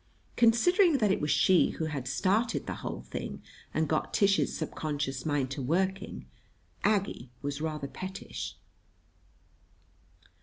] Considering that it was she who had started the whole thing, and got Tish's subconscious mind to working, Aggie was rather pettish.